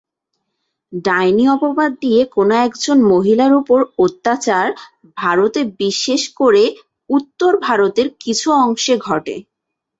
ডাইনি অপবাদ দিয়ে কোনো একজন মহিলার উপর অত্যাচার ভারতে বিশেষ করে উত্তর ভারতের কিছু অংশে ঘটে।